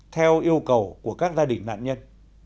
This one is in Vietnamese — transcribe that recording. theo yêu cầu của các gia đình nạn nhân